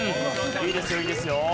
いいですよいいですよ。